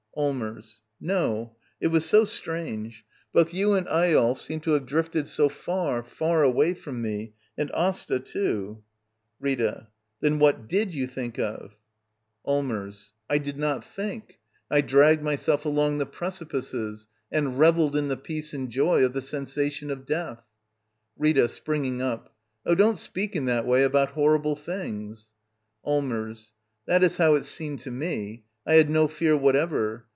Allmers. No. It was so strange* Both you and Eyolf seemed to have drifted so far, far away from me — and Asta, too. Rita. Then what did you think of? 103 Digitized by VjOOQIC LITTLE EYOLF ^ Act iil Allmers. I did not think* I dragged myself ^ong the precipices — and revelled in the peace and ' joy of the sensation of death. Rita. [Springing up.] Oh, don't speak in that way about horrible things! Allmers. That is how it seemed to me. I had no fear whatever.